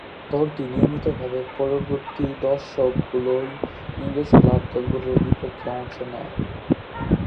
দলটি নিয়মিতভাবে পরবর্তী দশকগুলোয় ইংরেজ ক্লাব দলগুলোর বিপক্ষে অংশ নেয়।